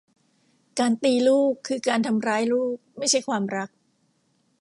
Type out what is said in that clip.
การตีลูกคือการทำร้ายลูก ไม่ใช่ความรัก